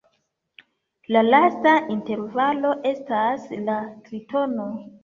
La lasta intervalo estas la tritono.